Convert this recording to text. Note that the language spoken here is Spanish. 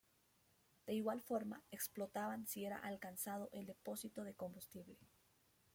De igual forma explotaban si era alcanzado el depósito de combustible.